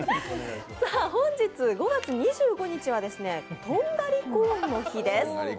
本日５月２５日はとんがりコーンの日です。